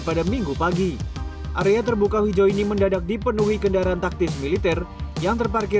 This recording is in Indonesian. pada minggu pagi area terbuka hijau ini mendadak dipenuhi kendaraan taktis militer yang terparkir